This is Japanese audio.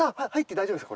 大丈夫です。